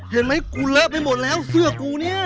เห็นไหมกูเลอะไปหมดแล้วเสื้อกูเนี่ย